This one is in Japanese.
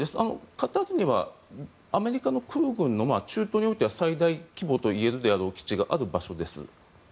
カタールにはアメリカの空軍の中東においては最大規模といえる基地がある場所です。